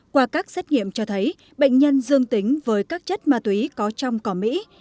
qua các xét nghiệm cho thấy bệnh nhân dương tính với các chất ma túy có trong cỏ mỹ